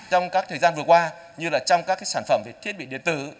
trong các thời gian vừa qua như trong các sản phẩm thiết bị điện tử